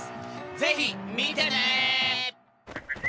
ぜひ見てね！